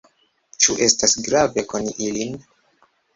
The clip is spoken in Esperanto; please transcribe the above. Ĉu estas grave koni ilin?